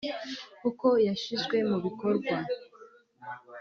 uko yashyizwe mu bikorwa